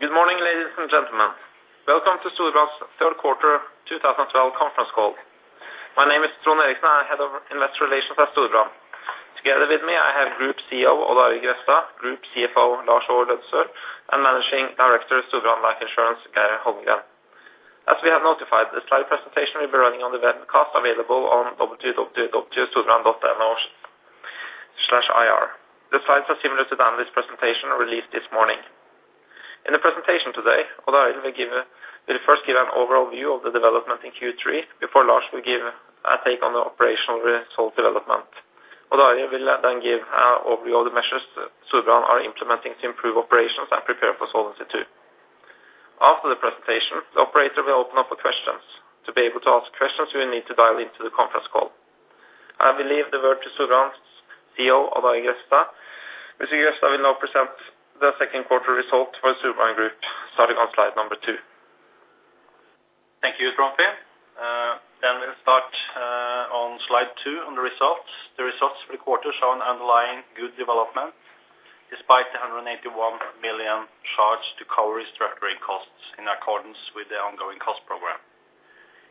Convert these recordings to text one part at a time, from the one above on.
Good morning, ladies and gentlemen. Welcome to Storebrand's Third Quarter 2012 Conference Call. My name is Trond Eriksen, I'm Head of Investor Relations at Storebrand. Together with me, I have Group CEO, Odd Arild Grefstad, Group CFO, Lars Løddesøl, and Managing Director of Storebrand Life Insurance, Geir Holmgren. As we have notified, the slide presentation will be running on the webcast available on www.storebrand.no/ir. The slides are similar to the analyst presentation released this morning. In the presentation today, Odd Arild will first give an overall view of the development in Q3, before Lars will give a take on the operational result development. Odd Arild will then give an overview of the measures Storebrand are implementing to improve operations and prepare for Solvency II. After the presentation, the operator will open up for questions. To be able to ask questions, you will need to dial into the conference call. I will leave the word to Storebrand's CEO, Odd Arild Grefstad. Mr. Grefstad will now present the second quarter result for the Storebrand group, starting on slide number two. Thank you, Trond. Then we'll start on slide two on the results. The results for the quarter show an underlying good development, despite the 181 million charge to cover restructuring costs in accordance with the ongoing cost program.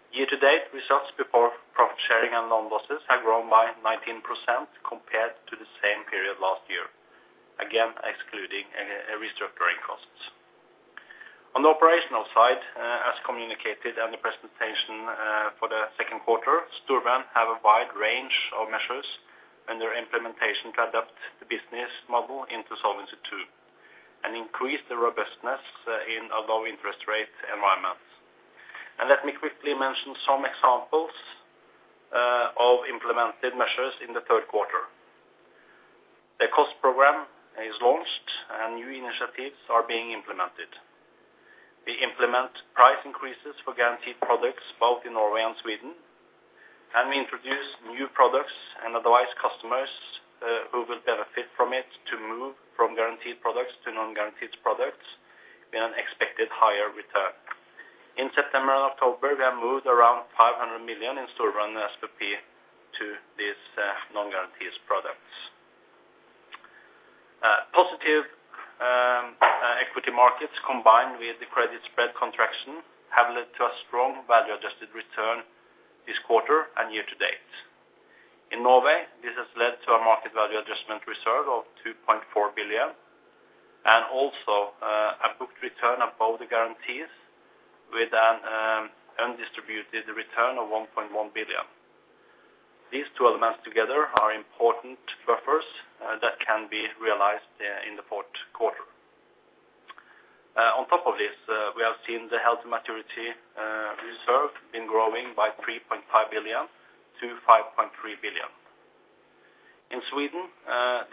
year-to-date, results before profit sharing and loan losses have grown by 19% compared to the same period last year, again, excluding any restructuring costs. On the operational side, as communicated in the presentation, for the second quarter, Storebrand have a wide range of measures and their implementation to adapt the business model into Solvency II, and increase the robustness in a low interest rate environment. Let me quickly mention some examples of implemented measures in the third quarter. The cost program is launched, and new initiatives are being implemented. We implement price increases for Guaranteed products, both in Norway and Sweden, and we introduce new products and advise customers who will benefit from it, to move from Guaranteed products to Non-Guaranteed products in an expected higher return. In September and October, we have moved around 500 million in Storebrand SPP to these Non-Guaranteed products. Positive equity markets, combined with the credit spread contraction, have led to a strong value-adjusted return this quarter and year-to-date. In Norway, this has led to a market value adjustment reserve of 2.4 billion, and also a booked return above the guarantees with an undistributed return of 1.1 billion. These two elements together are important buffers that can be realized in the fourth quarter. On top of this, we have seen the health maturity reserve been growing by 3.5 billion-5.3 billion. In Sweden,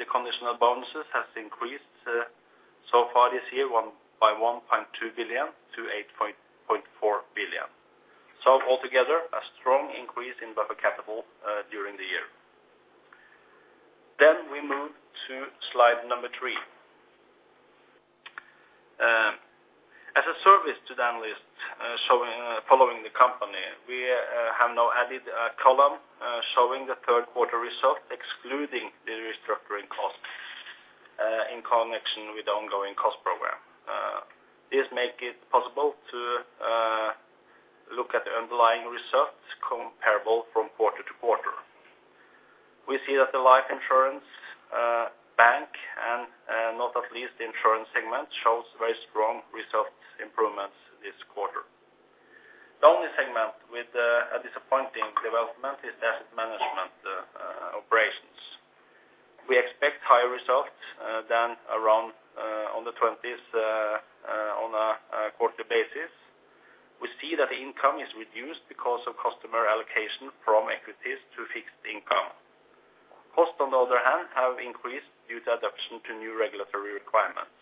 the conditional bonuses has increased so far this year by 1.2 billion-8.4 billion. Altogether, a strong increase in buffer capital during the year. We move to slide number three. As a service to the analysts following the company, we have now added a column showing the third quarter results, excluding the restructuring costs in connection with the ongoing cost program. This makes it possible to look at the underlying results comparable from quarter-to-quarter. We see that the life insurance, bank, and not at least the Insurance segment, shows very strong results improvements this quarter. The only segment with a disappointing development is Asset Management operations. We expect higher results than around the twenties on a quarter basis. We see that the income is reduced because of customer allocation from equities to fixed income. Costs, on the other hand, have increased due to adoption to new regulatory requirements.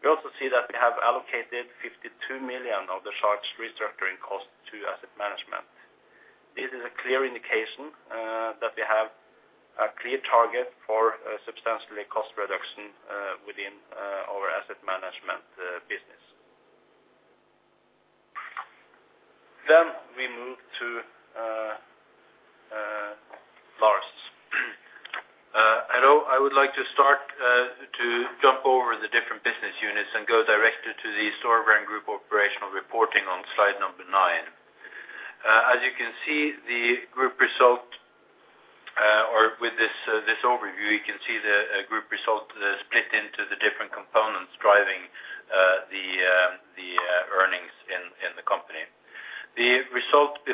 We also see that we have allocated 52 million of the charged restructuring costs to Asset Management. This is a clear indication that we have a clear target for substantially cost reduction within our Asset Management business. We move to Lars. Hello, I would like to start to jump over the different business units and go directly to the Storebrand group operational reporting on slide number 9. As you can see, the group result, or with this, this overview, you can see the group result split into the different components driving the earnings in the company.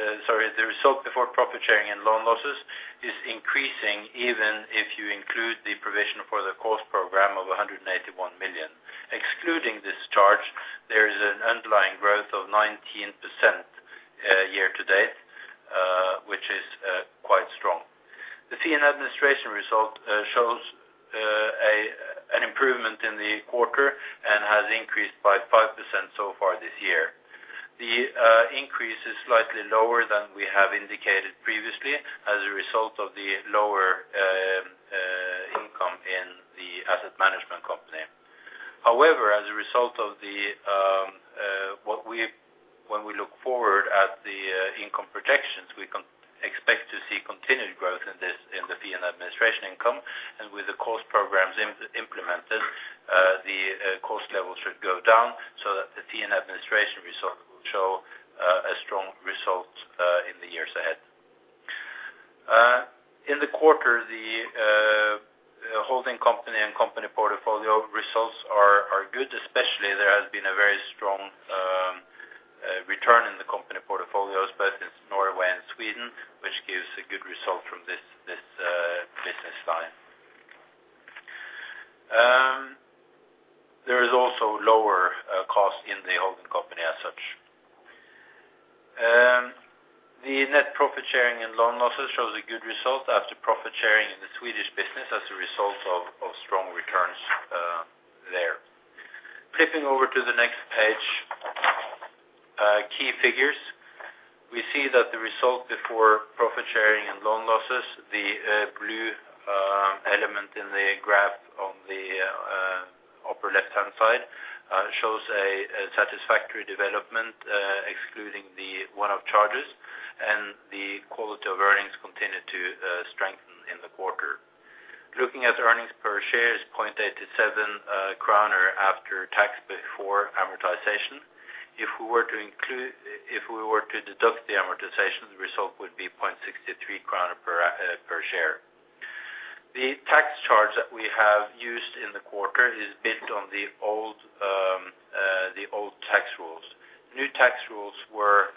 The result before profit sharing and loan losses is increasing, even if you include the provision for the cost program of 181 million. Excluding this charge, there is an underlying growth of 19% year-to-date, which is quite strong. The fee and administration result shows an improvement in the quarter and has increased by 5% so far this year. The increase is slightly lower than we have indicated previously, as a result of the lower income in the Asset Management company. However, as a result of the forward income projections, we can expect to see continued growth in this, in the fee and administration income, and with the cost programs implemented, the cost level should go down so that the fee and administration result will show a strong result in the years ahead. In the quarter, the holding company and company portfolio results are good, especially there has been a very strong return in the company portfolios, both in Norway and Sweden, which gives a good result from this business line. There is also lower cost in the holding company as such. The net profit sharing and loan losses shows a good result after profit sharing in the Swedish business as a result of strong returns there. Flipping over to the next page, key figures. We see that the result before profit sharing and loan losses, the blue element in the graph on the upper left-hand side, shows a satisfactory development, excluding the one-off charges, and the quality of earnings continued to strengthen in the quarter. Looking at earnings per share is 0.87 kroner after tax, before amortization. If we were to include, if we were to deduct the amortization, the result would be 0.63 crown per share. The tax charge that we have used in the quarter is based on the old tax rules. New tax rules were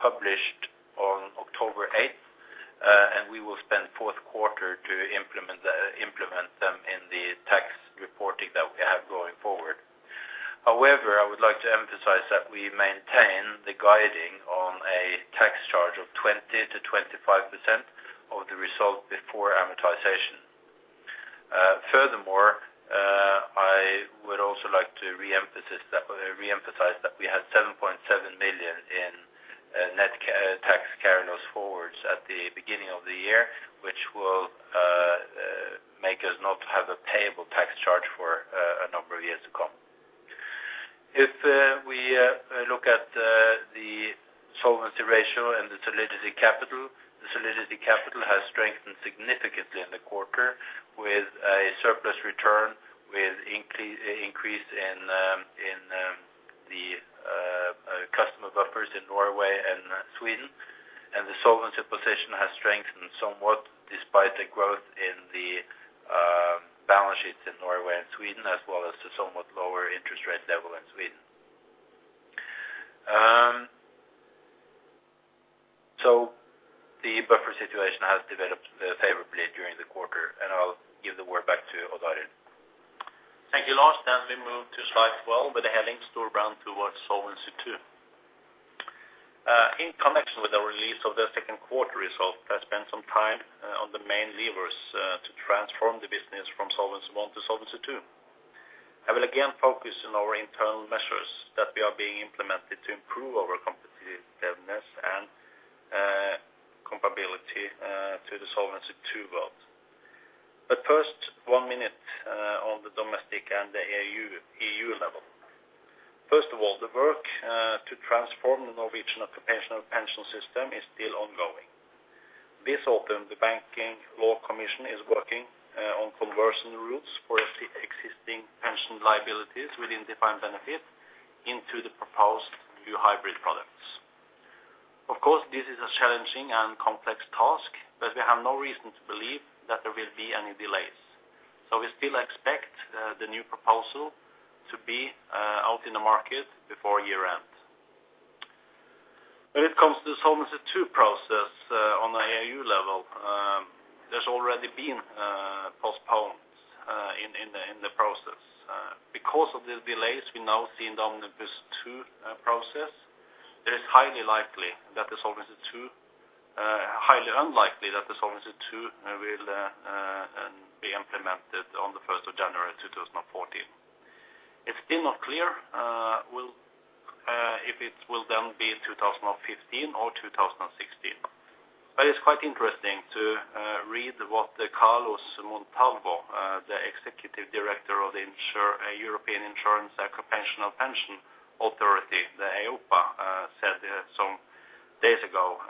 published on October eighth, and we will spend fourth quarter to implement the, implement them in the tax reporting that we have going forward. However, I would like to emphasize that we maintain the guiding on a tax charge of 20%-25% of the result before amortization. Furthermore, I would also like to reemphasize that we had 7.7 million in net tax carryforwards at the beginning of the year, which will make us not have a payable tax charge for a number of years to come. If we look at the solvency ratio and the solidity capital, the solidity capital has strengthened significantly in the quarter with a surplus return, with increase in the customer buffers in Norway and Sweden. And the solvency position has strengthened somewhat despite the growth in the balance sheets in Norway and Sweden, as well as the somewhat lower interest rate level in Sweden. So the buffer situation has developed favorably during the quarter, and I'll give the word back to Odd Arild. Thank you, Lars. We move to slide 12, with the heading: Storebrand towards Solvency II. In connection with the release of the second quarter result, I spent some time on the main levers to transform the business from Solvency I to Solvency II. I will again focus on our internal measures that are being implemented to improve our competitiveness and comparability to the Solvency II world. First, one minute on the domestic and the EU level. First of all, the work to transform the Norwegian occupational pension system is still ongoing. This autumn, the Banking Law Commission is working on conversion routes for existing pension liabilities within defined benefit into the proposed new hybrid products. Of course, this is a challenging and complex task, but we have no reason to believe that there will be any delays. So we still expect the new proposal to be out in the market before year-end. When it comes to Solvency II process, on the EU level, there's already been postponements in the process. Because of the delays we now see in the Omnibus II process, it is highly likely that the Solvency II, highly unlikely that the Solvency II will be implemented on the first of January, 2014. It's still not clear will if it will then be in 2015 or 2016. But it's quite interesting to read what Carlos Montalvo, the executive director of the European Insurance and Occupational Pensions Authority, the EIOPA, said some days ago.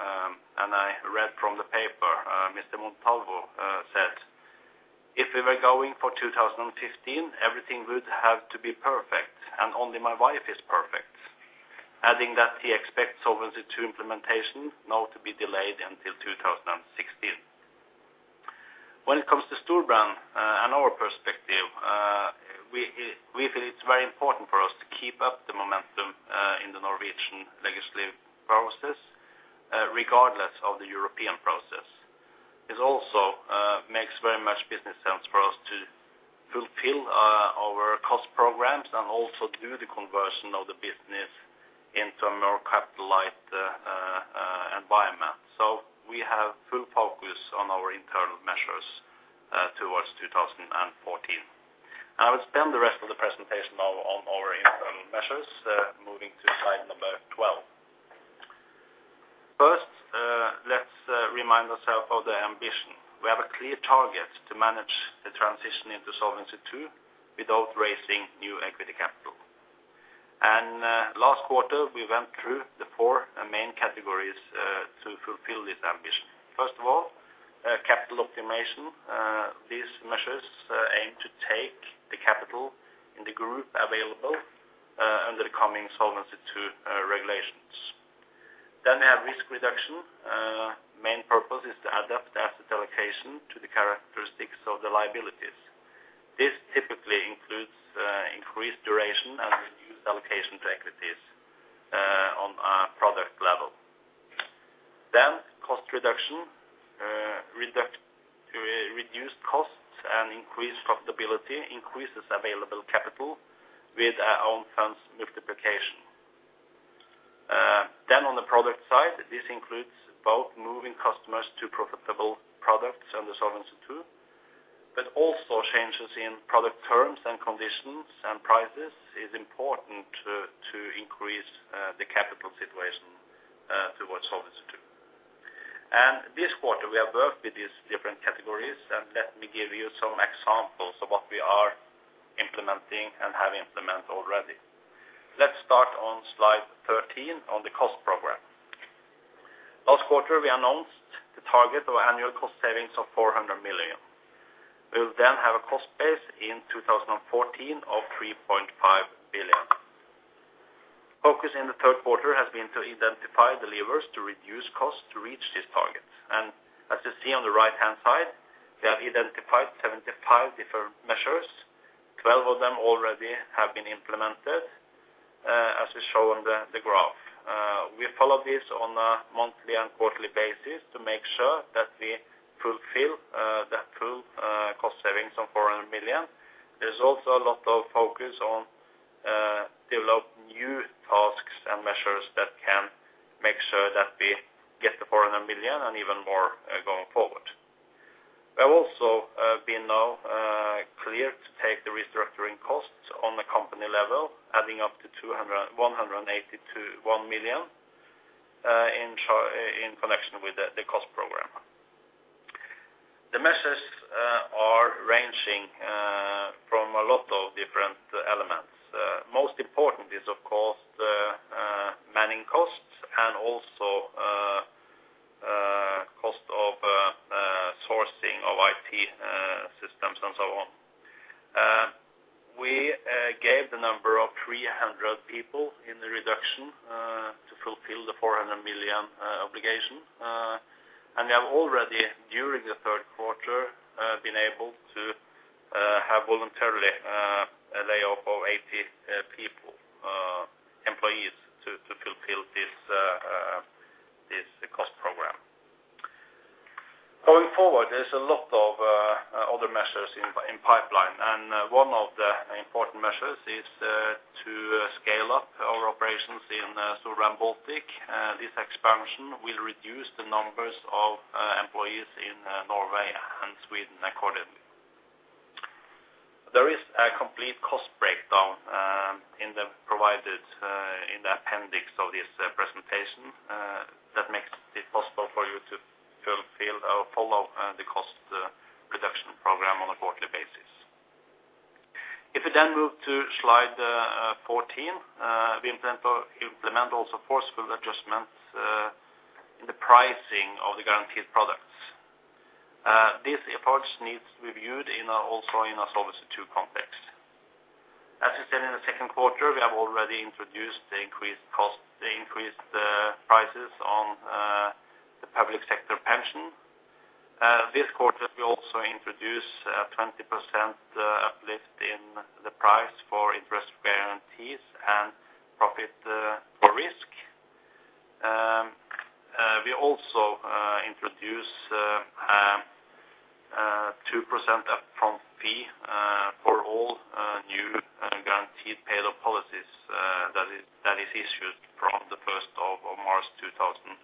And I read from the paper, Mr. Montalvo said, "If we were going for 2015, everything would have to be perfect, and only my wife is perfect." Adding that he expects Solvency II implementation now to be delayed until 2016. When it comes to Storebrand, and our perspective, we, we feel it's very important for us to keep up the momentum in the Norwegian legislative process, regardless of the European process. It also makes very much business sense for us to fulfill our cost programs and also do the conversion of the business into a more capital-light environment. So we have full focus on our internal measures towards 2014. I will spend the rest of the presentation now on our internal measures, moving to slide 12. First, let's remind ourselves of the ambition. We have a clear target to manage the transition into Solvency II without raising new equity capital. Last quarter, we went through the four main categories to fulfill this ambition. First of all, capital optimization. These measures aim to take the capital in the group available under the coming Solvency II regulations. Then we have risk reduction. Main purpose is to adapt the asset allocation to the characteristics of the liabilities. This typically includes increased duration and reduced allocation to equities on a product level. Then cost reduction, reduced costs and increased profitability increases available capital with our own funds multiplication. Then on the product side, this includes both moving customers to profitable products under Solvency II, but also changes in product terms and conditions and prices is important to increase the capital situation towards Solvency II. This quarter, we have worked with these different categories, and let me give you some examples of what we are implementing and have implemented already. Let's start on slide 13 on the cost program. Last quarter, we announced the target of annual cost savings of 400 million. We'll then have a cost base in 2014 of 3.5 billion. Focus in the third quarter has been to identify the levers to reduce costs to reach this target. As you see on the right-hand side, we have identified 75 different measures. 12 of them already have been implemented, as we show on the graph. We follow this on a monthly and quarterly basis to make sure that we fulfill that full cost savings of 400 million. There's also a lot of focus on develop new tasks and measures that can make sure that we get the 400 million and even more going forward. We have also been now clear to take the restructuring costs on the company level, adding up to 181 million in connection with the cost program. The measures are ranging from a lot of different elements. Most important is, of course, the manning costs and also cost of sourcing of IT systems, and so on. We gave the number of 300 people in the reduction to fulfill the 400 million obligation. We have already, during the third quarter, been able to have voluntarily a layoff of 80 people employees to fulfill this cost program. Going forward, there's a lot of other measures in pipeline, and one of the important measures is to scale up our operations in Storebrand Baltic. This expansion will reduce the numbers of employees in Norway and Sweden accordingly. There is a complete cost breakdown in the provided in the appendix of this presentation that makes it possible for you to fulfill or follow the cost reduction program on a quarterly basis. If we then move to slide fourteen, we implement, implement also forceful adjustments in the pricing of the Guaranteed products. This approach needs reviewed in a, also in a Solvency II context. As I said, in the second quarter, we have already introduced the increased cost, the increased prices on the public sector pension. This quarter, we also introduce a 20% lift in the price for interest guarantees and profit for risk. We also introduce a 2% upfront fee for all new Guaranteed paid-up policies that is issued from the first of March 2013.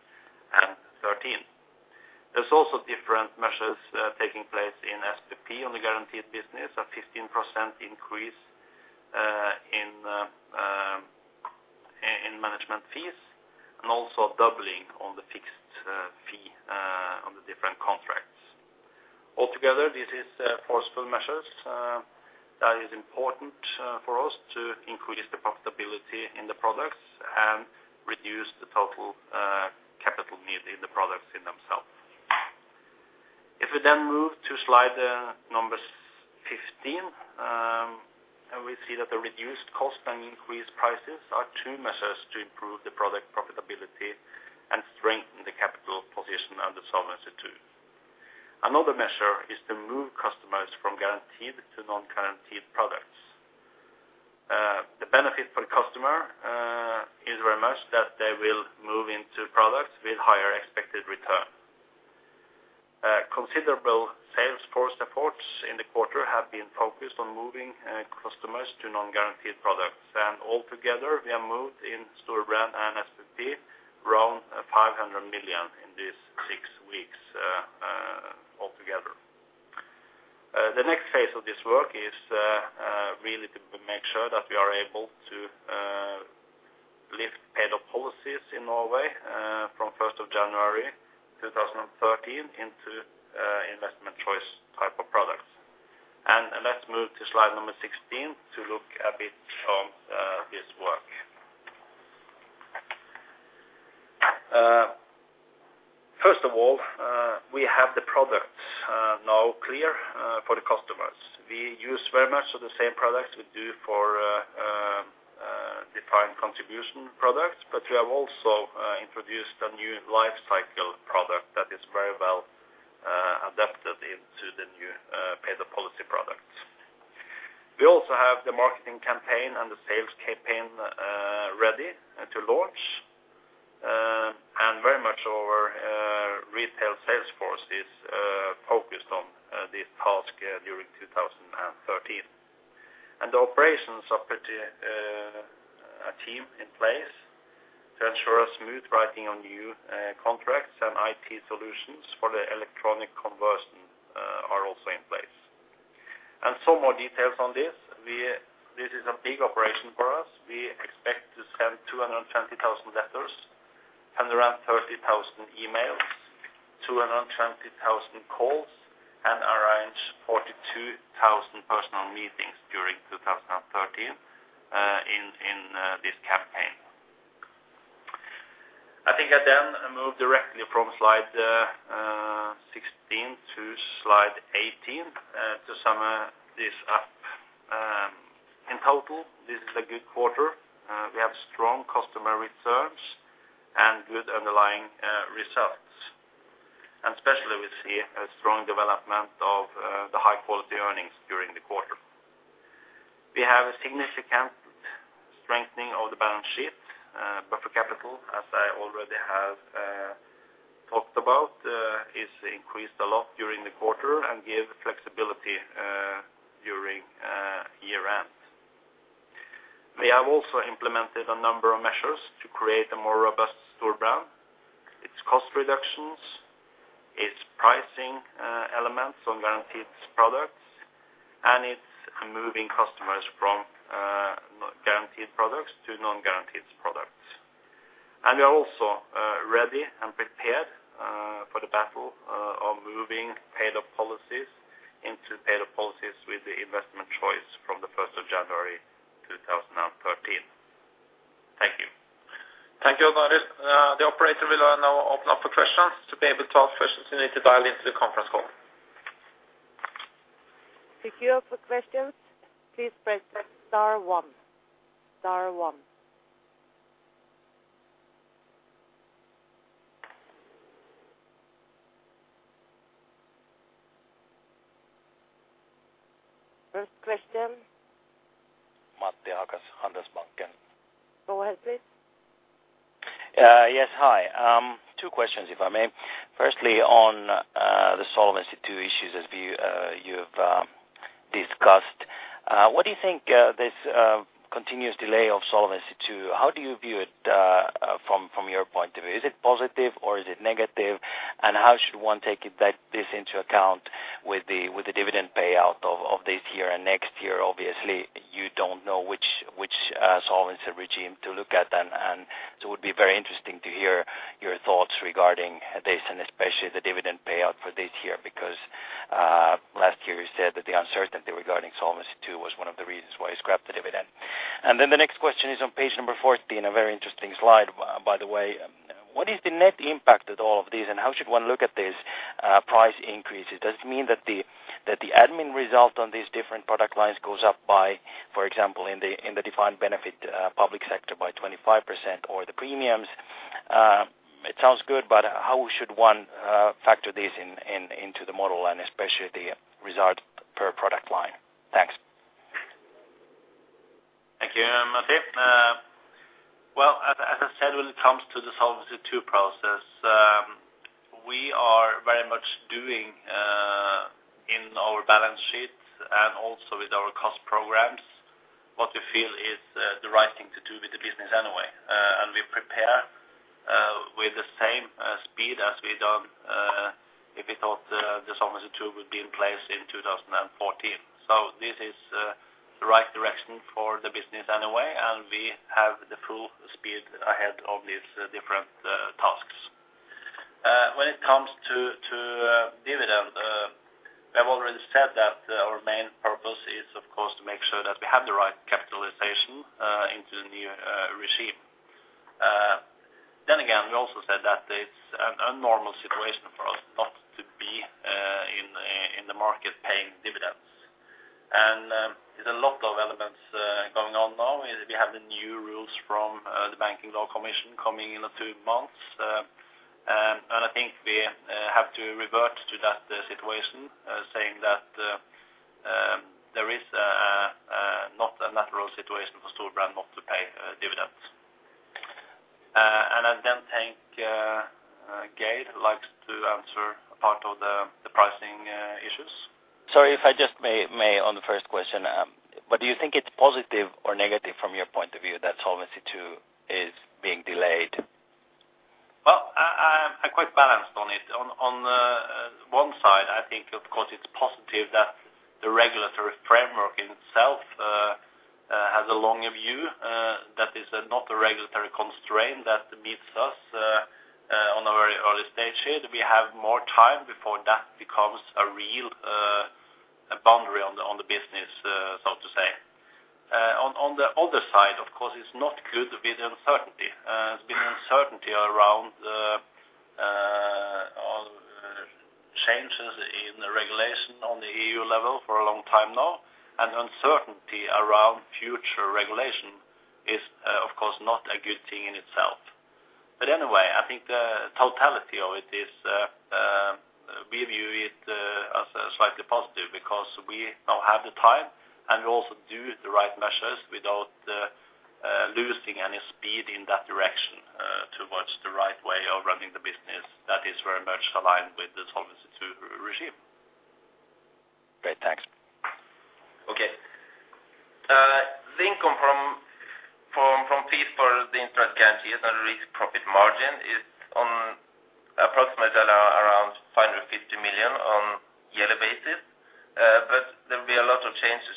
There's also different measures taking place in SPP on the Guaranteed business, a 15% increase in management fees, and also doubling on the fixed fee on the different contracts. Altogether, this is forceful measures that is important for us to increase the profitability in the products and reduce the total capital need in the products in themselves. If we then move to slide number 15, and we see that the reduced cost and increased prices are two measures to improve the product profitability and strengthen the capital position under Solvency II. Another measure is to move customers from Guaranteed to Non-Guaranteed products. The benefit for the customer is very much that they will move into products with higher expected return. Considerable sales force efforts in the quarter have been focused on moving customers to Non-Guaranteed products. Altogether, we have moved in Storebrand and SPP around 500 million in these six weeks, altogether, really to make sure that we are able to lift paid-up policies in Norway from first of January 2013 into investment choice type of products. Let's move to slide number 16 to look a bit on this work. First of all, we have the products now clear for the customers. We use very much of the same products we do for defined contribution products, but we have also introduced a new life cycle product that is very well adapted into the new paid-up policy products. We also have the marketing campaign and the sales campaign ready to launch, and very much our retail sales force is focused on this task during 2013. The operations are pretty a team in place to ensure a smooth writing on new contracts and IT solutions for the electronic conversion are also in place. Some more details on this. This is a big operation for us. We expect to send 220,000 letters, and around 30,000 emails, 220,000 calls, and arrange 42,000 personal meetings during 2013 in this campaign. I think I then move directly from slide 16 to slide 18 to sum this up. In total, this is a good quarter. We have strong customer reserves and good underlying results. And especially, we see a strong development of the high quality earnings during the quarter. We have a significant strengthening of the balance sheet buffer capital, as I already have talked about, is increased a lot during the quarter and give flexibility during year end. We have also implemented a number of measures to create a more robust Storebrand. It's cost reductions, it's pricing elements on Guaranteed products, and it's moving customers from Guaranteed products to Non-Guaranteed products. And we are also ready and prepared for the battle of moving paid-up policies into paid-up policies with the investment choice from the first of January 2013. Thank you. Thank you, Odd Arild. The operator will now open up for questions. To be able to ask questions, you need to dial into the conference call. If you have a question, please press star one, star one. First question. Matti Ahokas, Handelsbanken. Go ahead, please. Yes, hi. Two questions, if I may. Firstly, on the Solvency II issues as we've discussed. What do you think, this continuous delay of Solvency II, how do you view it, from your point of view? Is it positive or is it negative? And how should one take it, this into account with the dividend payout of this year and next year? Obviously, you don't know which solvency regime to look at, and so it would be very interesting to hear your thoughts regarding this, and especially the dividend payout for this year. Because, last year you said that the uncertainty regarding Solvency II was one of the reasons why you scrapped the dividend. And then the next question is on page number 14, a very interesting slide, by the way. What is the net impact of all of these, and how should one look at this, price increases? Does it mean that the, that the admin result on these different product lines goes up by, for example, in the, in the Defined Benefit, public sector by 25% or the premiums? It sounds good, but how should one, factor this in, into the model, and especially the result per product line? Thanks. Thank you, Matti. Well, as I said, when it comes to the Solvency II process, we are very much doing in our balance sheet and also with our cost programs what we feel is the right thing to do with the business anyway. And we prepare with the same speed as we done if we thought the Solvency II would be in place in 2014. So this is the right direction for the business anyway, and we have full speed ahead of these different tasks. When it comes to dividend, we have already said that our main purpose is, of course, to make sure that we have the right capitalization into the new regime. Then again, we also said that it's an abnormal situation for us not to be in the market paying dividends. And there's a lot of elements going on now. We have the new rules from the Banking Law Commission coming in the two months. And I think we have to revert to that situation saying that there is not a natural situation for Storebrand not to pay dividends. And I then think Geir likes to answer a part of the pricing issues. Sorry, if I just may, may on the first question. But do you think it's positive or negative from your point of view that Solvency II is being delayed? Quite balanced on it. On, on, one side, I think, of course, it's positive that the regulatory framework itself has a longer view, that is not a regulatory constraint that meets us on a very early stage here. We have more time before that becomes a real, a boundary on the, on the business, so to say. On, on the other side, of course, it's not good with the uncertainty. It's been uncertainty around on changes in the regulation on the EU level for a long time now, and uncertainty around future regulation is, of course, not a good thing in itself. But anyway, I think the totality of it is we view it as slightly positive because we now have the time, and we also do the right measures without losing any speed in that direction, towards the right way of running the business that is very much aligned with the Solvency II regime. Great, thanks. Okay. The income from fees for the interest guarantee and the risk profit margin is on approximately around 550 million on a yearly basis. But there will be a lot of changes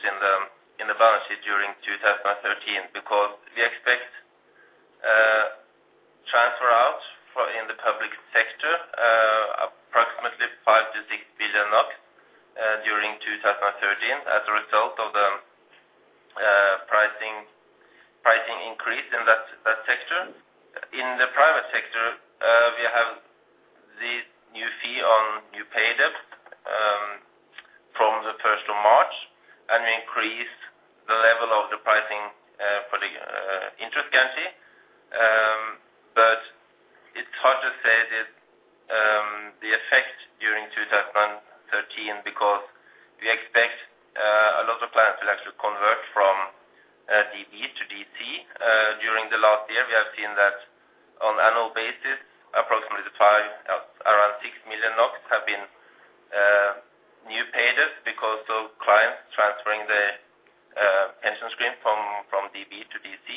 in the balance sheet during 2013, because we expect transfer out for in the public sector approximately 5 billion-6 billion NOK during 2013, as a result of the pricing increase in that sector. In the private sector, we have the new fee on new paid-up from the first of March, and increase the level of the pricing for the interest guarantee. But it's hard to say that the effect during 2013, because we expect a lot of clients will actually convert from DB to DC. During the last year, we have seen that on an annual basis, approximately five, around 6 million NOK have been new paid-up because of clients transferring the pension scheme from DB to DC.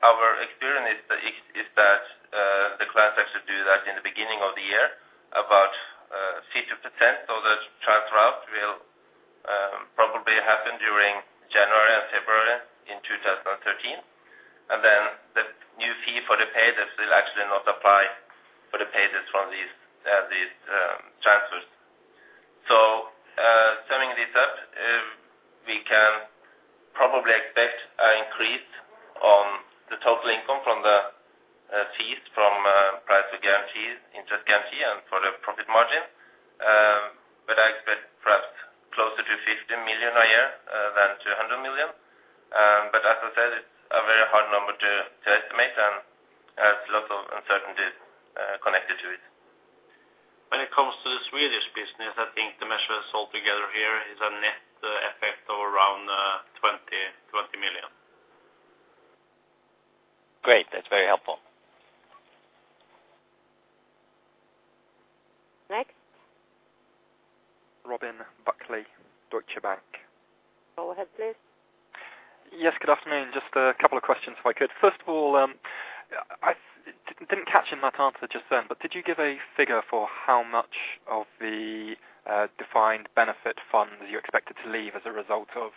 Our experience is that the clients actually do that in the beginning of the year, about 50%. The transfer out will probably happen during January and February in 2013, and the new fee for the pay debt will actually not apply for the pay debt from these transfers. Summing this up, we can probably expect an increase on the total income from the fees from price guarantees, interest guarantee, and for the profit margin. I expect perhaps closer to 50 million a year than to 100 million. But as I said, it's a very hard number to estimate, and has a lot of uncertainty connected to it. When it comes to the Swedish business, I think the measure is all together here is a net effect of around 20, 20 million. Great, that's very helpful. ' Next? Robin Buckley, Deutsche Bank. Go ahead, please. Yes, good afternoon. Just a couple of questions, if I could. First of all, I didn't catch in that answer just then, but did you give a figure for how much of the Defined Benefit funds you expected to leave as a result of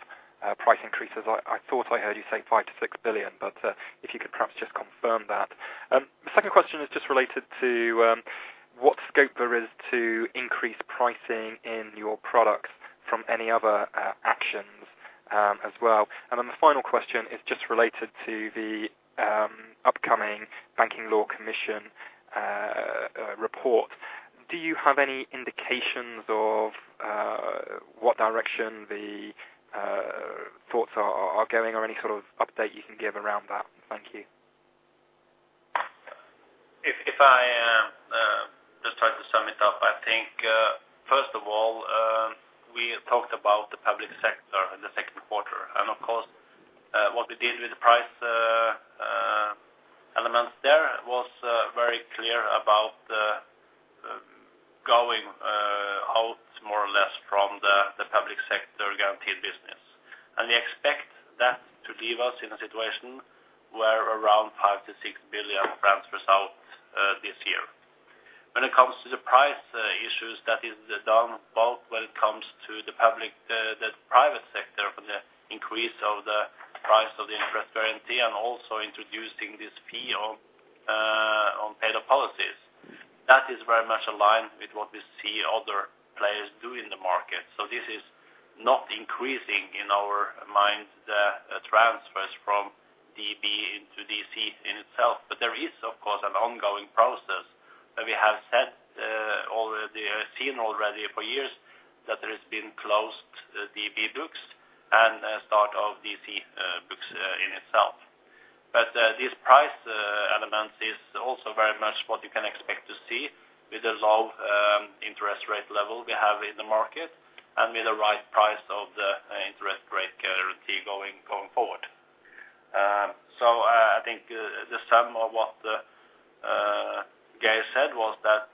price increases? I thought I heard you say 5 billion-6 billion, but if you could perhaps just confirm that. The second question is just related to what scope there is to increase pricing in your products from any other actions as well. And then the final question is just related to the upcoming Banking Law Commission report. Do you have any indications of what direction the thoughts are going, or any sort of update you can give around that? Thank you. If I just try to sum it up, I think, first of all, we talked about the public sector in the second quarter, and of course, what we did with the price elements there was very clear about the going out more or less from the public sector Guaranteed business. And we expect that to leave us in a situation where around NOK 5 billion-NOK 6 billion transfers out this year. When it comes to the price issues, that is the down bulk when it comes to the public, the private sector, for the increase of the price of the interest guarantee, and also introducing this fee on paid-up policies. That is very much aligned with what we see other players do in the market. So this is not increasing in our mind, the transfers from DB into DC in itself. But there is, of course, an ongoing process, that we have seen already for years, that there has been closed DB books and a start of DC books in itself. But this price element is also very much what you can expect to see with the low interest rate level we have in the market, and with the right price of the interest rate guarantee going forward. So I think the sum of what Geir said was that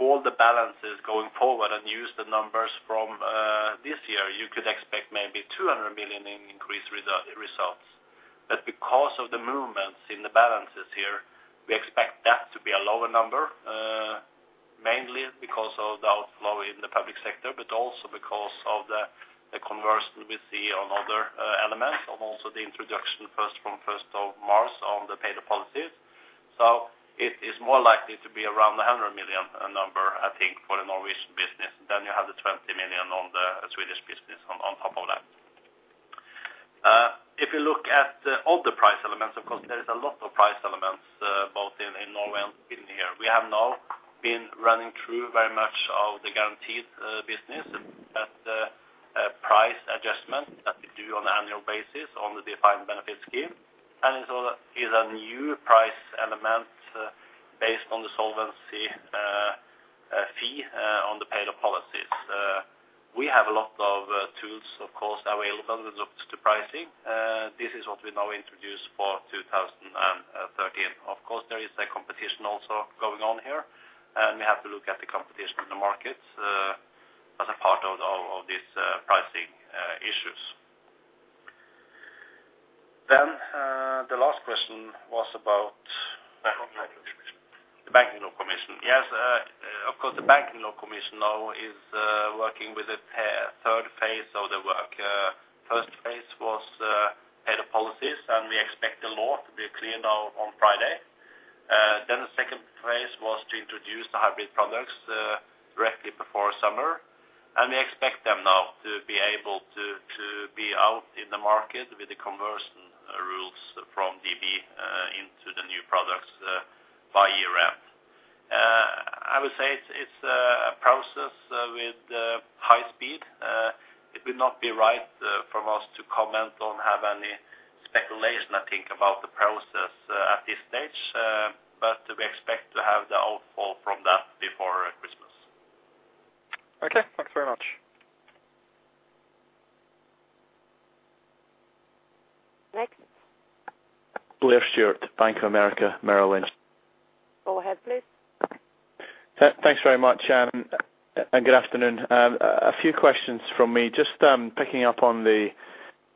all the balances going forward and use the numbers from this year, you could expect maybe 200 million in increased results. But because of the movements in the balances here, we expect that to be a lower number, mainly because of the outflow in the public sector, but also because of the conversion we see on other elements, and also the introduction first from first of March on the paid-up policies. So it is more likely to be around the 100 million number, I think, for the Norwegian business. Then you have the 20 million on the Swedish business on top of that. If you look at all the price elements, of course, there is a lot of price elements, both in Norway and in here. We have now been running through very much of the Guaranteed business at the price adjustment that we do on an annual basis on the defined benefit scheme. And so is a new price element based on the solvency fee on the paid-up policies. We have a lot of tools, of course, available to pricing. This is what we now introduce for 2013. Of course, there is a competition also going on here, and we have to look at the competition in the markets as a part of all of these pricing issues. Then the last question was about the Banking Law Commission. The Banking Law Commission. Yes, of course, the Banking Law Commission now is working with a third phase of the work. First phase was paid-up policies, and we expect the law to be clear now on Friday. Then the second phase was to introduce the hybrid products directly before summer, and we expect them now to be able to be out in the market with the conversion rules from DB into the new products by year end. I would say it's a process with high speed. It would not be right from us to comment on have any speculation, I think, about the process at this stage, but we expect to have the outfall from that before Christmas. Okay, thanks very much. Next? Blair Stewart, Bank of America Merrill Lynch. Go ahead, please. Thanks very much, and good afternoon. A few questions from me. Just picking up on the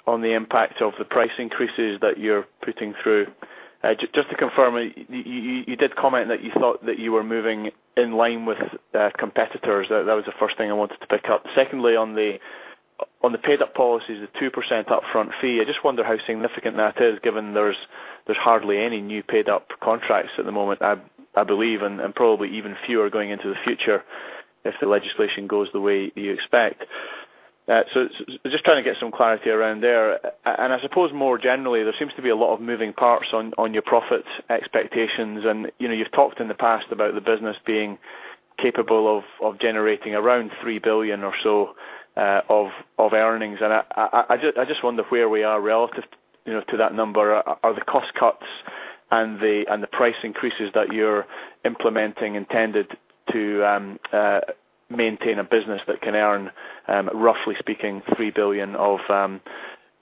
impact of the price increases that you're putting through. Just to confirm, you did comment that you thought that you were moving in line with competitors. That was the first thing I wanted to pick up. Secondly, on the paid-up policies, the 2% upfront fee, I just wonder how significant that is, given there's hardly any new paid-up contracts at the moment, I believe, and probably even fewer going into the future if the legislation goes the way you expect. So just trying to get some clarity around there. And I suppose more generally, there seems to be a lot of moving parts on your profit expectations. You know, you've talked in the past about the business being capable of generating around 3 billion or so of earnings. I just wonder where we are relative, you know, to that number. Are the cost cuts and the price increases that you're implementing intended to maintain a business that can earn, roughly speaking, 3 billion of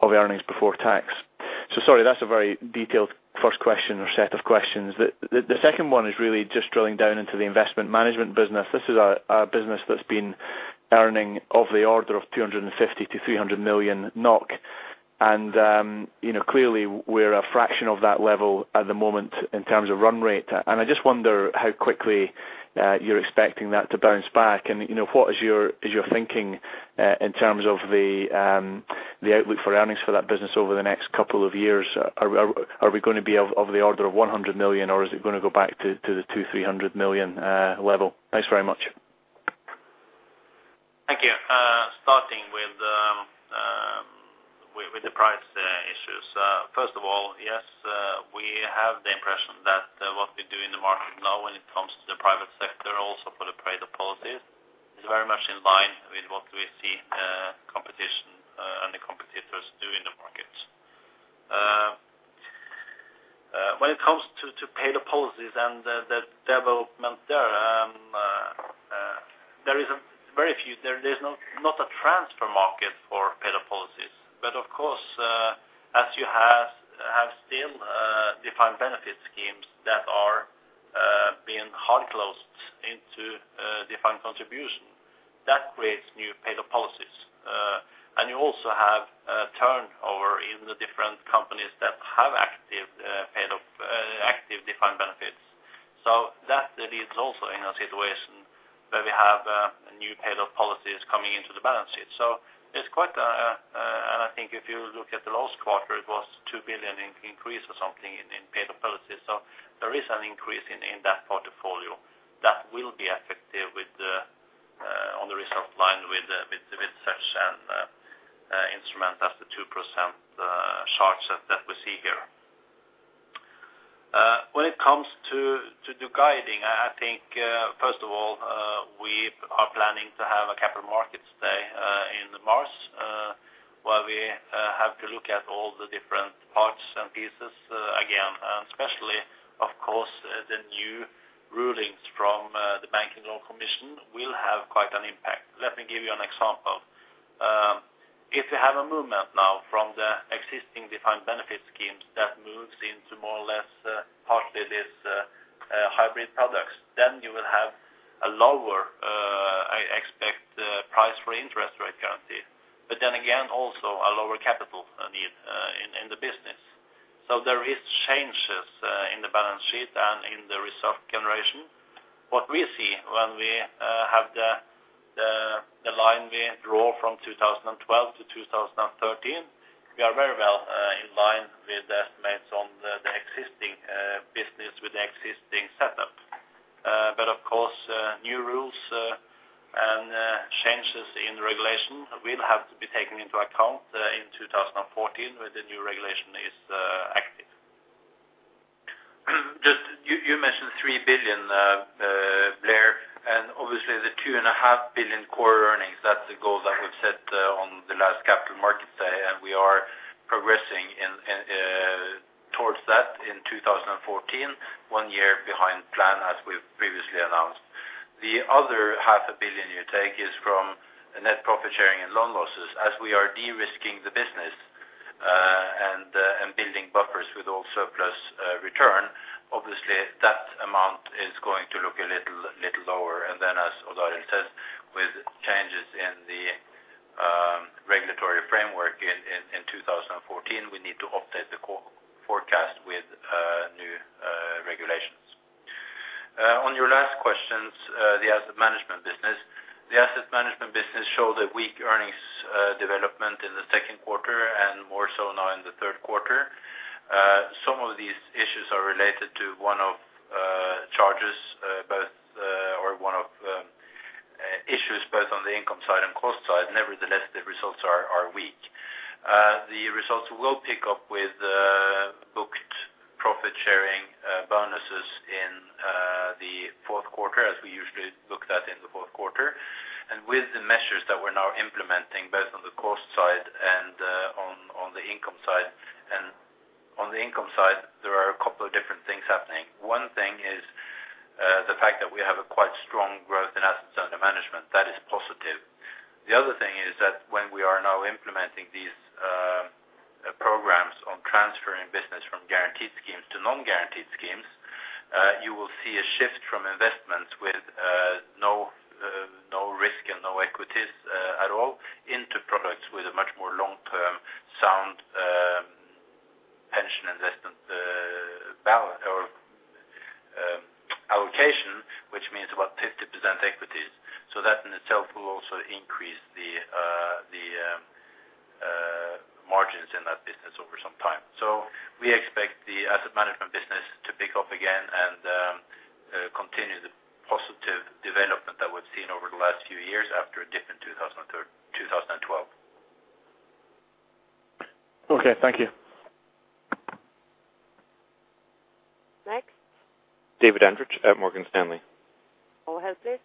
earnings before tax? So sorry, that's a very detailed first question or set of questions. The second one is really just drilling down into the Investment Management business. This is a business that's been earning of the order of 250 million-300 million NOK. You know, clearly, we're a fraction of that level at the moment in terms of run rate. I just wonder how quickly you're expecting that to bounce back. You know, what is your thinking in terms of the outlook for earnings for that business over the next couple of years? Are we going to be of the order of 100 million, or is it going to go back to the 200 million-300 million level? Thanks very much. Thank you. Starting with the price issues. First of all, yes, we have the impression that what we do in the market now when it comes to the private sector, also for the paid-up policies, is very much in line with what we see, competition, and the competitors do in the market. When it comes to paid-up policies and the development there, there is very few - there's not a transfer market for paid-up policies. But of course, as you have still defined benefit schemes that are being hard closed into defined contribution, that creates new paid-up policies. And you also have a turnover in the different companies that have active paid-up active defined benefits. So that leads also in a situation where we have new paid-up policies coming into the balance sheet. So it's quite, and I think if you look at the last quarter, it was 2 billion increase or something in paid-up policies. So there is an increase in that portfolio that will be effective on the result line with such an instrument as the 2% charge that we see here. When it comes to the guidance, I think first of all, we are planning to have a Capital Markets Day in March where we have to look at all the different parts and pieces again, and especially, of course, the new rulings from the Banking Law Commission will have quite an impact. Let me give you an example. If you have a movement now from the existing defined benefit schemes that moves into more or less partly this hybrid products, then you will have a lower, I expect, price for interest rate guarantee, but then again, also a lower capital need in the business. So there is changes in the balance sheet and in the reserve generation. What we see when we have the line we draw from 2012 to 2013, we are very well in line with the estimates on the existing business with the existing setup. But of course, new rules and changes in regulation will have to be taken into account in 2014, when the new regulation is active. Just you, you mentioned 3 billion, Blair, and obviously the 2.5 billion core earnings, that's the goal that we've set on the last capital markets day, and we are progressing in towards that in 2014, one year behind plan, as we've previously announced. The other 0.5 billion you take is from a net profit sharing and loan losses. As we are de-risking the business and building buffers with all surplus return, obviously, that amount is going to look a little lower. And then, as Odd Arild says, with changes in the regulatory framework in 2014, we need to update the core forecast with new regulations. On your last questions, the Asset Management business. The Asset Management business showed a weak earnings development in the second quarter and more so now in the third quarter. Some of these issues are related to one-off charges or issues both on the income side and cost side. Nevertheless, the results are weak. The results will pick up with booked profit-sharing bonuses in the fourth quarter, as we usually book that in the fourth quarter. And with the measures that we're now implementing, both on the cost side and on the income side, and on the income side, there are a couple of different things happening. One thing is, the fact that we have a quite strong growth in assets under management, that is positive. The other thing is that when we are now implementing these programs on transferring business from Guaranteed schemes to Non-Guaranteed schemes, you will see a shift from investments with no risk and no equities at all, into products with a much more long-term, sound pension investment balance or allocation, which means about 50% equities. So that in itself will also increase the margins in that business over some time. So we expect the Asset Management business to pick up again and continue the positive development that we've seen over the last few years after a different 2003--2012. Okay, thank you. Next? David Andrich at Morgan Stanley. Hold, please.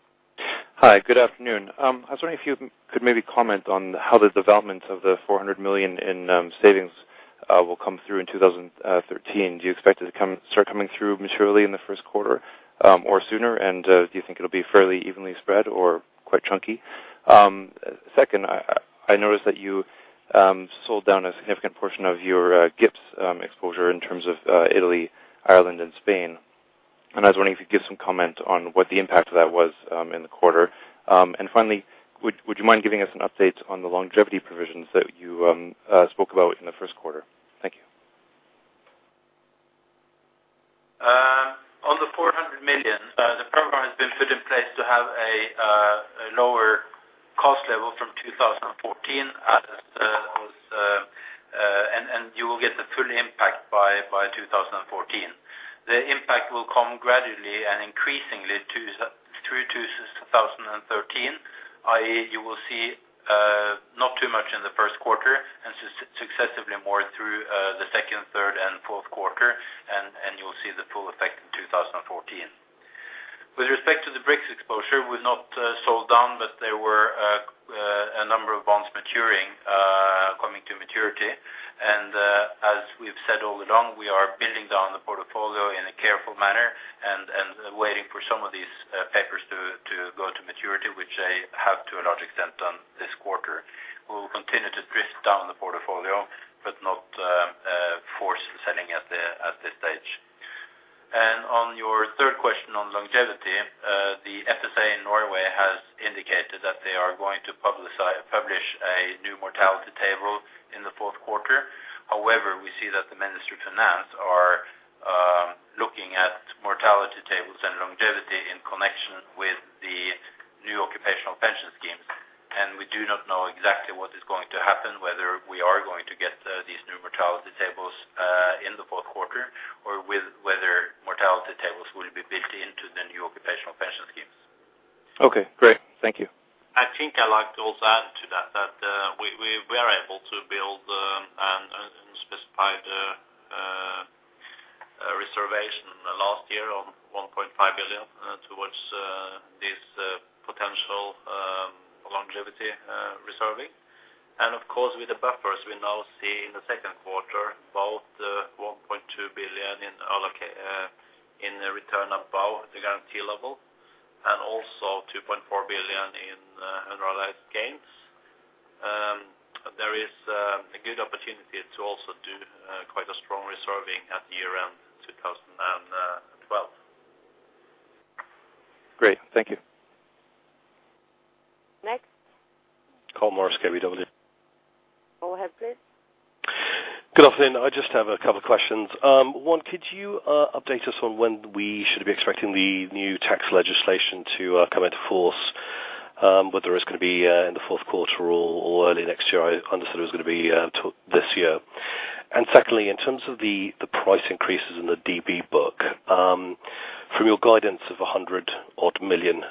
Hi, good afternoon. I was wondering if you could maybe comment on how the development of the 400 million in savings will come through in 2013. Do you expect it to start coming through materially in the first quarter or sooner? And do you think it'll be fairly evenly spread or quite chunky? Second, I noticed that you sold down a significant portion of your GIIPS exposure in terms of Italy, Ireland, and Spain. And I was wondering if you could give some comment on what the impact of that was in the quarter. And finally, would you mind giving us an update on the longevity provisions that you spoke about in the first quarter? Thank you. On the 400 million, the program has been put in place to have a lower cost level from 2014, and you will get the full impact by 2014. The impact will come gradually and increasingly through to 2013, i.e., you will see not too much in the first quarter and successively more through the second, third, and fourth quarter, and you will see the full effect in 2014. With respect to the BRICS exposure, we've not sold down, but there were a number of bonds maturing, coming to maturity. And, as we've said all along, we are building down the portfolio in a careful manner and waiting for some of these papers to go to maturity, which they have to a large extent done this quarter. We will continue to drift down the portfolio, but not force the selling at this stage. And on your third question on longevity, the FSA in Norway has indicated that they are going to publish a new mortality table in the fourth quarter. However, we see that the Ministry of Finance are looking at mortality tables and longevity in connection with the new occupational pension scheme. We do not know exactly what is going to happen, whether we are going to get these new mortality tables in the fourth quarter, or whether mortality tables will be built into the new occupational pension schemes. Okay, great. Thank you. I think I'd like to also add to that that we are able to build and specify the reservation last year on 1.5 billion towards this potential longevity reserving. And of course, with the buffers, we now see in the second quarter about 1.2 billion in allocate in the return above the guarantee level. And also 2.4 billion in unrealized gains. There is a good opportunity to also do quite a strong reserving at year end 2012. Great. Thank you. Next? Colm Morris, KBW. Go ahead, please. Good afternoon. I just have a couple questions. One, could you update us on when we should be expecting the new tax legislation to come into force? Whether it's gonna be in the fourth quarter or early next year. I understood it was gonna be till this year. And secondly, in terms of the price increases in the DB book, from your guidance of 100 odd million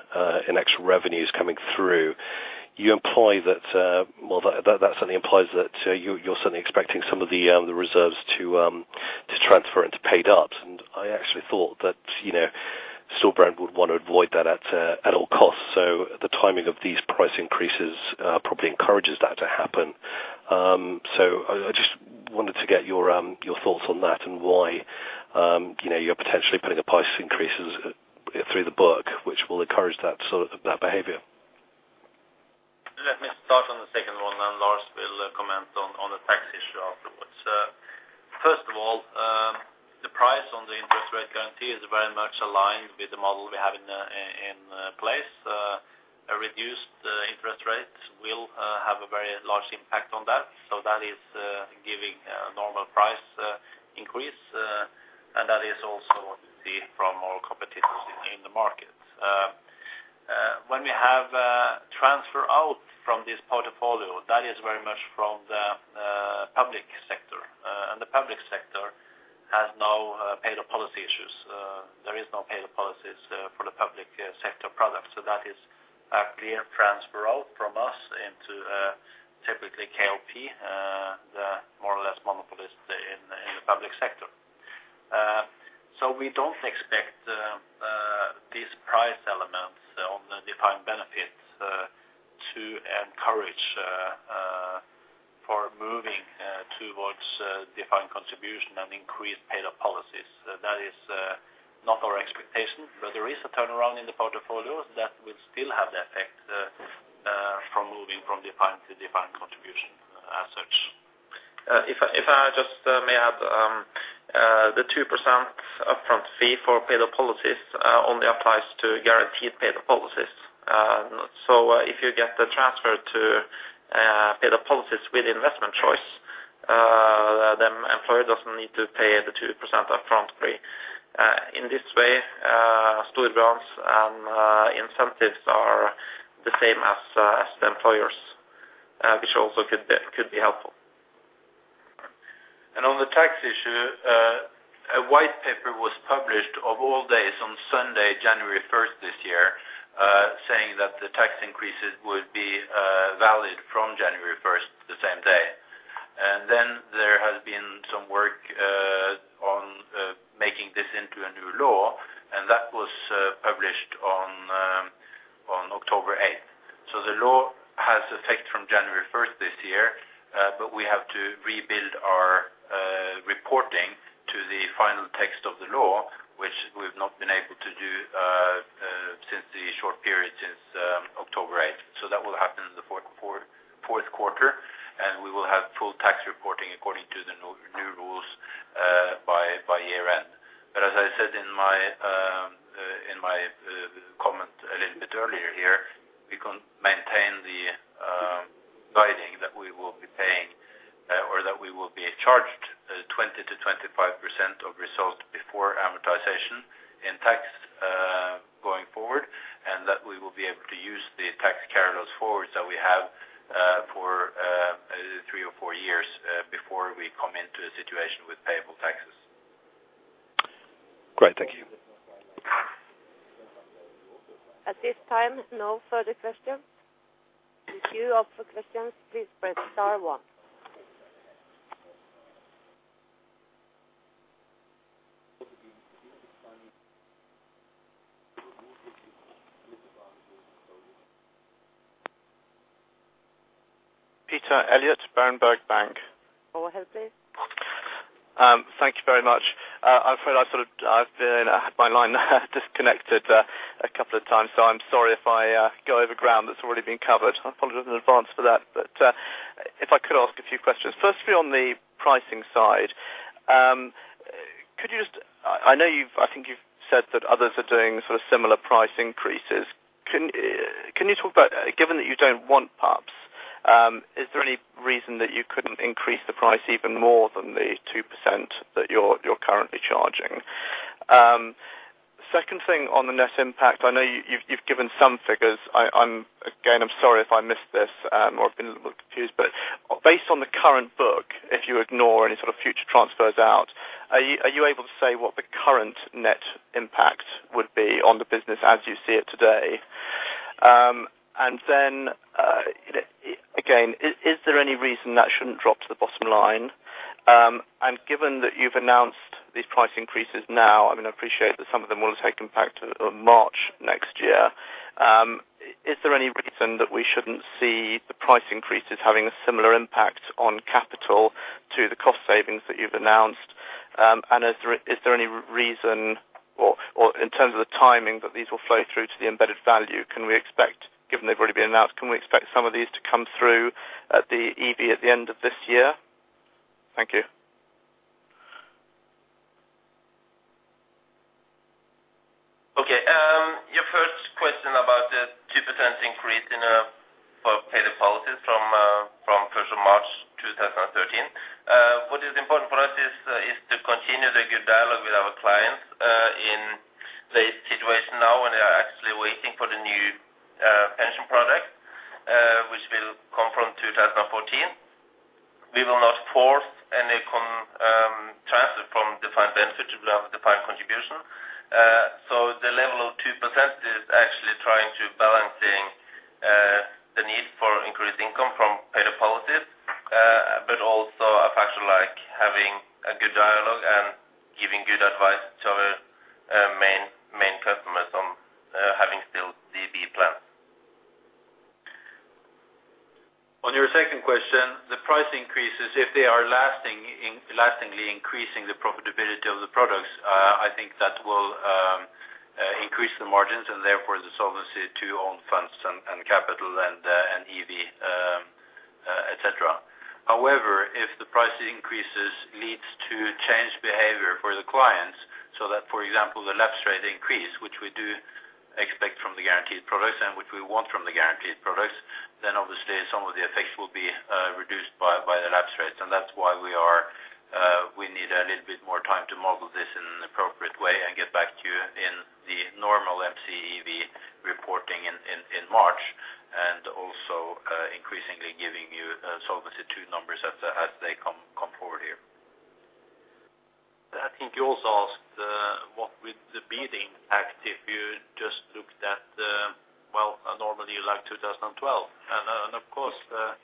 in extra revenues coming through, you imply that, well, that certainly implies that you're certainly expecting some of the reserves to transfer into paid ups. And I actually thought that, you know, Storebrand would want to avoid that at all costs. So the timing of these price increases probably encourages that to happen. So I just wanted to get your thoughts on that and why, you know, you're potentially putting the price increases through the book, which will encourage that sort of behavior. Let me start on the second one, and then Lars will comment on the tax issue afterwards. First of all, the price on the interest rate guarantee is very much aligned with the model we have in place. A reduced interest rate will have a very large impact on that. So that is giving a normal price increase, and that is also seen from our competitors in the market. When we have transfer out from this portfolio, that is very much from the public sector. And the public sector has no paid-up policy issues. There is no paid-up policies for the public sector products. So that is a clear transfer out from us into typically KLP, the more or less monopolist in the public sector. So we don't expect these price elements on the defined benefit to encourage for moving towards defined contribution and increased paid-up policies. That is not our expectation, but there is a turnaround in the portfolio that will still have the effect from moving from defined to defined contribution as such. If I just may add, the 2% upfront fee for paid-up policies only applies to Guaranteed paid-up policies. So, if you get the transfer to paid-up policies with investment choice, then employer doesn't need to pay the 2% upfront fee. In this way, Storebrand's incentives are the same as the employers, which also could be helpful. On the tax issue, a white paper was published of all days on Sunday, January first this year, saying that the tax increases would be valid from January first, the same day. Then there has been some work on making this into a new law, and that was published on October eighth. So the law has effect from January first this year, but we have to rebuild our reporting to the final text of the law, which we've not been able to do since the short period since October eighth. So that will happen in the fourth quarter, and we will have full tax reporting according to the new rules by year end. But as I said in my comment a little bit earlier here, we can maintain the guidance that we will be paying, or that we will be charged, 20%-25% of results before amortization in tax, going forward, and that we will be able to use the tax carryforwards that we have, for three or four years, before we come into a situation with payable taxes. Great, thank you. At this time, no further questions. If you opt for questions, please press star one. Peter Eliot, Berenberg Bank. Go ahead, please. Thank you very much. I'm afraid I sort of. I've been, my line disconnected, a couple of times, so I'm sorry if I, go over ground that's already been covered. I apologize in advance for that. But, if I could ask a few questions. Firstly, on the pricing side, could you just. I know you've, I think you've said that others are doing sort of similar price increases. Can you talk about, given that you don't want PUPs, is there any reason that you couldn't increase the price even more than the 2% that you're currently charging? Second thing on the net impact, I know you've given some figures. I'm, again, I'm sorry if I missed this, or I've been a little confused. But based on the current book, if you ignore any sort of future transfers out, are you able to say what the current net impact would be on the business as you see it today? And then, again, is there any reason that shouldn't drop to the bottom line? And given that you've announced these price increases now, I mean, I appreciate that some of them will take impact March next year, is there any reason that we shouldn't see the price increases having a similar impact on capital to the cost savings that you've announced? And is there any reason or, in terms of the timing, that these will flow through to the embedded value? Can we expect, given they've already been announced, can we expect some of these to come through at the EV at the end of this year? Thank you. Okay, your first question about the 2% increase in, for paid-up policies from, from first of March 2013. What is important for us is to continue the good dialogue with our clients in the situation now, and they are actually waiting for the new pension product, which will come from 2014. We will not force any con, transfer from defined benefit to defined contribution. The level of 2% is actually trying to balancing the need for increased income from paid-up policies, but also a factor like having a good dialogue and giving good advice to our main, main customers on having still DB plans. On your second question, the price increases, if they are lasting, lastingly increasing the profitability of the products, I think that will increase the margins and therefore the Solvency II own funds and capital and EV, et cetera. However, if the price increases leads to changed behavior for the clients, so that, for example, the lapse rate increase, which we do expect from the Guaranteed products and which we want from the Guaranteed products, then obviously some of the effects will be reduced by the lapse rates. And that's why we need a little bit more time to model this in an appropriate way and get back to you in the normal MCEV reporting in March, and also increasingly giving you Solvency II numbers as they come forward here. I think you also asked, what with the beating act, if you just looked at, well, a normal year like 2012. And, of course, I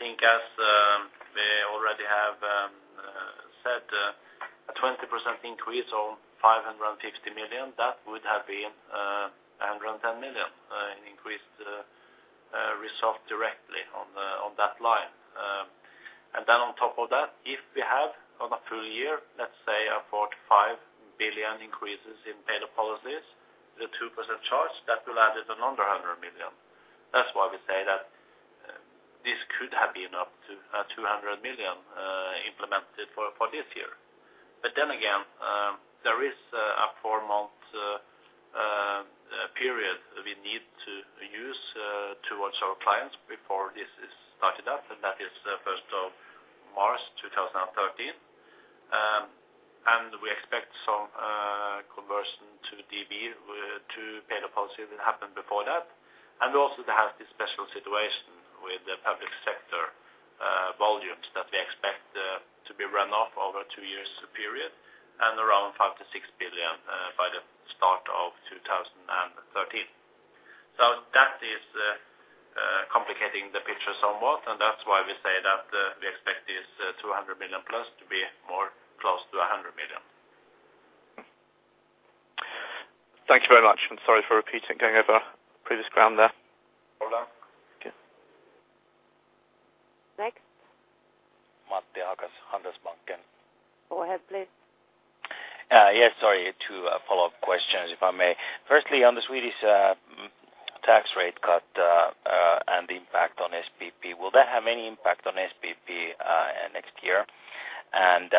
think as we already have said, a 20% increase or 550 million, that would have been, a 110 million in increased result directly on the, on that line. And then on top of that, if we have on a full year, let's say a 45 billion increase in paid-up policies, the 2% charge, that will add another 100 million. That's why we say that this could have been up to, 200 million, implemented for this year. But then again, there is a 4-month period we need to use towards our clients before this is started up, and that is first of March 2013. And we expect some conversion to DB to paid-up policy that happened before that. And also, to have this special situation with the public sector volumes that we expect to be run off over a 2-year period and around 5 billion-6 billion by the start of 2013. So that is complicating the picture somewhat, and that's why we say that we expect this 200 million+ to be more close to 100 million. Thank you very much, and sorry for repeating, going over previous ground there. Well done. Thank you. Next? Matti Ahokas, Handelsbanken. Go ahead, please. Yes, sorry, two follow-up questions, if I may. Firstly, on the Swedish tax rate cut, and the impact on SPP, will that have any impact on SPP next year? And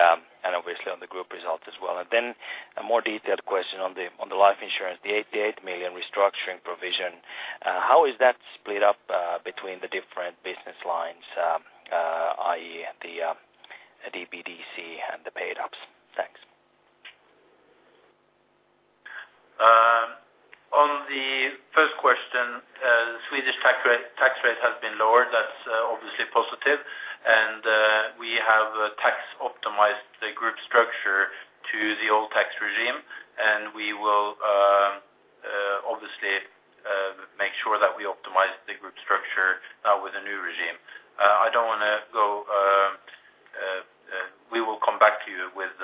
obviously on the group results as well. Then a more detailed question on the life insurance, the 88 million restructuring provision, how is that split up between the different business lines, i.e., the DB DC and the paid-ups? Thanks. On the first question, the Swedish tax rate has been lowered. That's obviously positive. We have tax optimized the group structure to the old tax regime, and we will obviously make sure that we optimize the group structure with the new regime. I don't want to go. We will come back to you with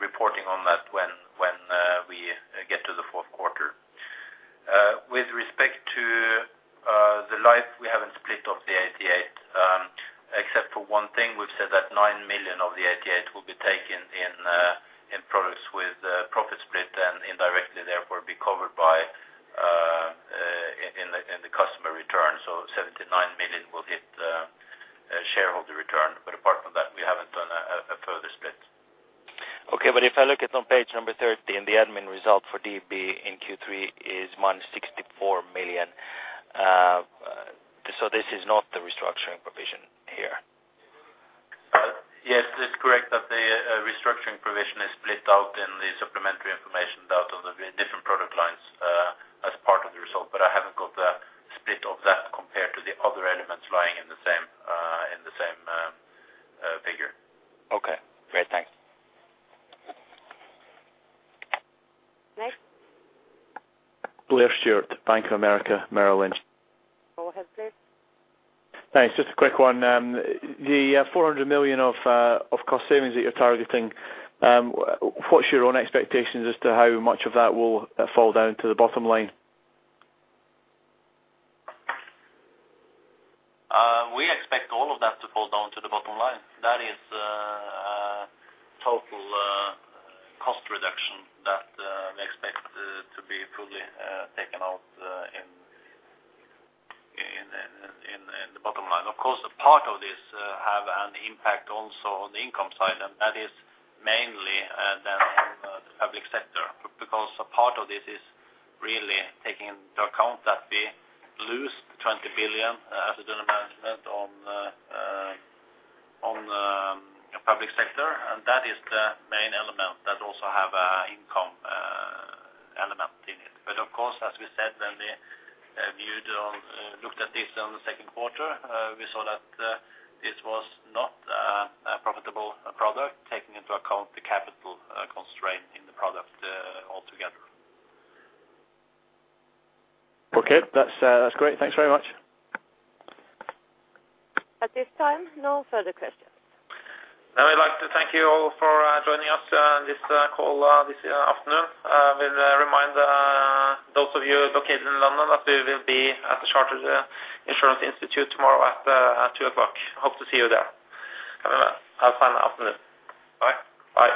reporting on that when we get to the fourth quarter. With respect to the life, we haven't split up the 88, except for one thing. We've said that 9 million of the 88 million will be taken in products with profit split and indirectly therefore, be covered by, in the customer return. So 79 million will hit shareholder return, but apart from that, we haven't done a further split. Okay, but if I look at on page 13, the admin result for DB in Q3 is -64 million. So this is not the restructuring provision here? Yes, it's correct that the restructuring provision is split out in the supplementary information out of the different product lines as part of the result. But I haven't got the split of that compared to the other elements lying in the same figure. Okay. Great, thanks. Next. Blair Stewart, Bank of America Merrill Lynch. Go ahead, please. Thanks. Just a quick one. The 400 million of cost savings that you're targeting, what's your own expectations as to how much of that will fall down to the bottom line? We expect all of that to fall down to the bottom line. That is total cost reduction that we expect to be fully taken out in the bottom line. Of course, a part of this has an impact also on the income side, and that is mainly then the public sector, because a part of this is really taking into account that we lose 20 billion asset under management on public sector, and that is the main element that also has an income element in it. Of course, as we said, when we viewed on, looked at this in the second quarter, we saw that this was not a profitable product, taking into account the capital constraint in the product altogether. Okay. That's, that's great. Thanks very much. At this time, no further questions. I would like to thank you all for joining us on this call this afternoon. We'll remind those of you located in London that we will be at the Chartered Insurance Institute tomorrow at 2:00 P.M. Hope to see you there. Have a fine afternoon. Bye. Bye.